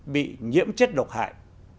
bị nhiễm chất độc hại